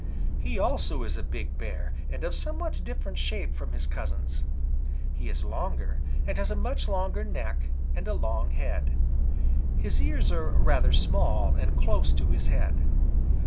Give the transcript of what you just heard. He also is a big Bear, and of somewhat different shape from his cousins. He is longer, and has a much longer neck and a long head. His ears are rather small and close to his head.